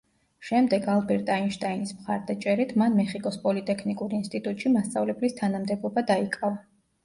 შემდეგ, ალბერტ აინშტაინის მხარდაჭერით, მან მეხიკოს პოლიტექნიკურ ინსტიტუტში მასწავლებლის თანამდებობა დაიკავა.